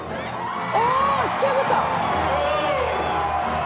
お突き破った！